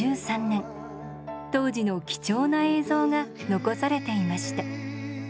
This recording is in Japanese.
当時の貴重な映像が残されていました。